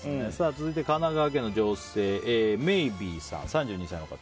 続いて神奈川県の女性、３２歳の方。